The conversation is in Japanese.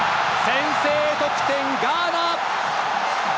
先制得点、ガーナ！